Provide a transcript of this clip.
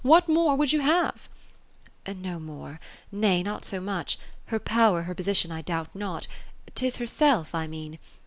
What more .would you have ?"'* No more ; na}"^, not so much. Her power, her position I doubt not; 'tis herself I mean.